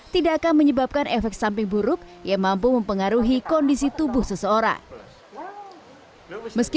tidak akan menyebabkan efek samping buruk yang mampu mempengaruhi kondisi tubuh seseorang meski